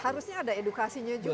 harusnya ada edukasinya juga